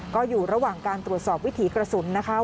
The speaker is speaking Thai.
ก็อยู่ระหว่างการตรวจสอบวิถีกระสุนนะคะ